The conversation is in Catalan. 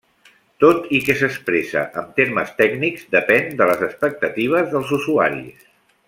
Tot i que s'expressa en termes tècnics, depèn de les expectatives dels usuaris.